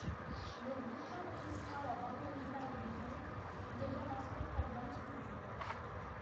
Le groupe enregistra la bande originale du film qui devint leur second album studio.